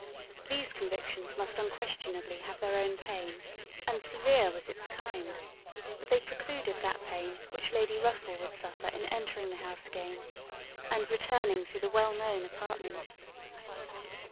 These convictions must unquestionably have their own pain, and severe was its kind; but they precluded that pain which Lady Russell would suffer in entering the house again, and returning through the well known apartments.